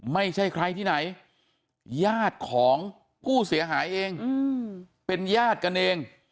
ไม่ใช่ใครที่ไหนญาติของผู้เสียหายเองเป็นญาติกันเอง